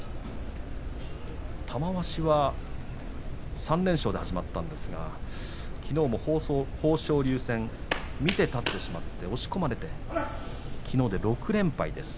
玉鷲は３連勝で始まったんですがきのうも豊昇龍戦、見て立ってしまって押し込まれてきのうで６連敗です。